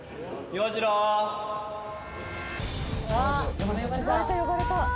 今日「呼ばれた呼ばれた」